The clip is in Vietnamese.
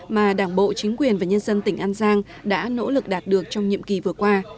mà đảng bộ chính quyền và nhân dân tỉnh an giang đã nỗ lực đạt được trong nhiệm kỳ vừa qua